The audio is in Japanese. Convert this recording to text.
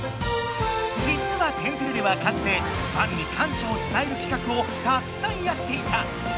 じつは「天てれ」ではかつてファンに感謝をつたえるきかくをたくさんやっていた。